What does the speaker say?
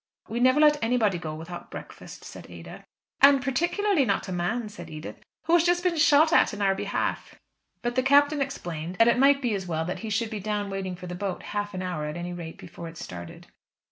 "We never let anybody go without breakfast," said Ada. "And particularly not a man," said Edith, "who has just been shot at on our behalf," But the Captain explained that it might be as well that he should be down waiting for the boat half an hour at any rate before it started.